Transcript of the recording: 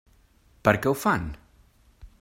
Per què ho fan?